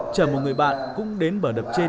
chờ một người bạn cũng đến bờ đập trên